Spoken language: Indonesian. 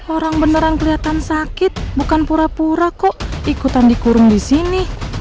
orang beneran kelihatan sakit bukan pura pura kok ikutan dikurung di sini